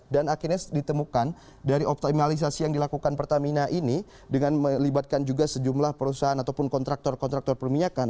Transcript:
dan akhirnya ditemukan dari optimalisasi yang dilakukan pertamina ini dengan melibatkan juga sejumlah perusahaan ataupun kontraktor kontraktor perminyakan